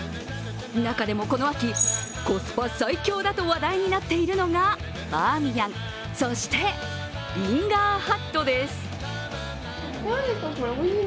中でもこの秋、コスパ最強だと話題になっているのがバーミヤン、そしてリンガーハットです。